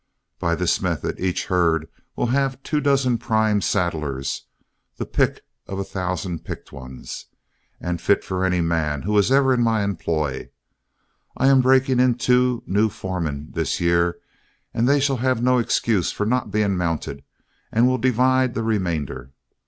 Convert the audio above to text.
By this method, each herd will have two dozen prime saddlers, the pick of a thousand picked ones, and fit for any man who was ever in my employ. I'm breaking in two new foremen this year, and they shall have no excuse for not being mounted, and will divide the remainder.